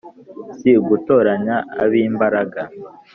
Si ugutoranya ab'imbaraga